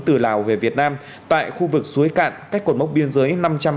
từ lào về việt nam tại khu vực suối cạn cách cột mốc biên giới năm trăm năm mươi